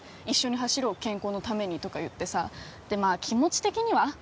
一緒に走ろう健康のためにとか言ってさでまあ気持ち的には？